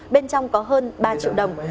bên trong có hơn ba triệu đồng